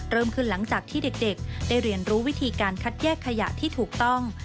เริ่มขึ้นหลังจากที่เด็กได้เรียนรู้วิธีการคัดแยกขยะที่ถูกต้อง